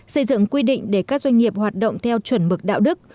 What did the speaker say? xây dựng quy định để các doanh nghiệp hoạt động theo chuẩn mực đạo đức